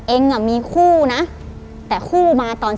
เองมีคู่นะแต่คู่มาตอน๑๗